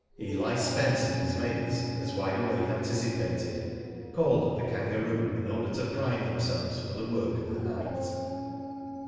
Eli Spence and his mates, as W^ide Awake anticipated, called at " The Kangaroo" in order to prime themselves for the work of the night.